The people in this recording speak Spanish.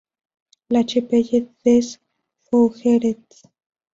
La Chapelle-des-Fougeretz